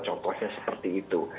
contohnya seperti itu